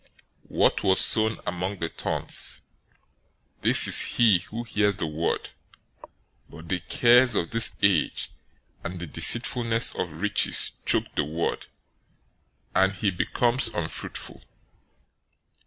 013:022 What was sown among the thorns, this is he who hears the word, but the cares of this age and the deceitfulness of riches choke the word, and he becomes unfruitful.